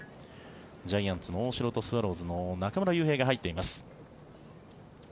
ジャイアンツの大城とスワローズの中村悠平が入っています。